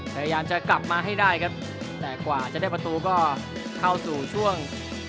พยายามจะกลับมาให้ได้ครับแต่กว่าจะได้ประตูก็เข้าสู่ช่วง